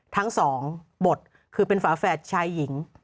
ทั้งสองบทคือเป็นฝาแฝดชายหญิง